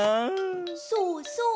そうそう。